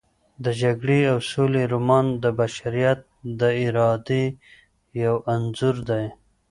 د جګړې او سولې رومان د بشریت د ارادې یو انځور دی.